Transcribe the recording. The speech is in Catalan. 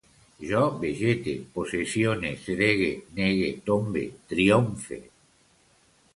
Jo vegete, possessione, sedege, negue, tombe, triomfe